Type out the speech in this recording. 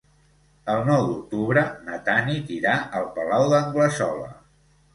El nou d'octubre na Tanit irà al Palau d'Anglesola.